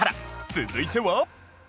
続いては